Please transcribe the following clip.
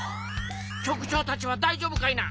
局長たちはだいじょうぶかいな？